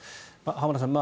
浜田さん